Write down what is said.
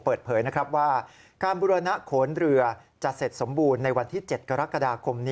เปิดเปิยว่าการบุรณะโคนเรือจัดเสร็จสมบูรณ์ในวันที่๗กรกฎ๑๙๔